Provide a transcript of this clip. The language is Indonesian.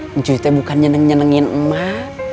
mak cuy tuh bukan nyeneng nyenengin emak